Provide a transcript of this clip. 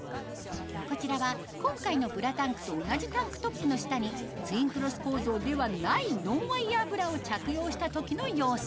こちらは今回のブラタンクと同じタンクトップの下にツインクロス構造ではないノンワイヤーブラを着用した時の様子